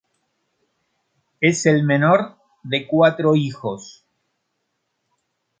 Es el menor de cuatro hijos.